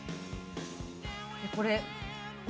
これ。